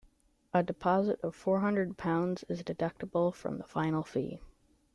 A deposit of four hundred pounds is deductible from the final fee.